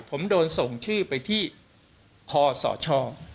ผมโดนส่งชื่อไปที่คอสช